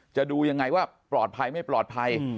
ดูยังไงว่าปลอดภัยไม่ปลอดภัย